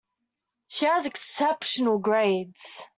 She has exceptional grades.